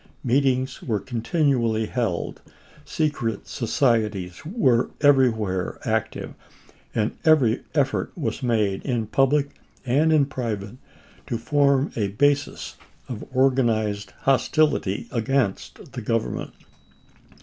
Meetings were contin ually held, secret societies were everywhere active, and every effort was made in public and in pri vate to form a basis of organized hostility against the Government.